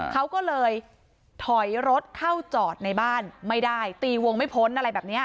เขาก็เลยถอยรถเข้าจอดในบ้านไม่ได้ตีวงไม่พ้นอะไรแบบนี้